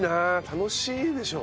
楽しいよ。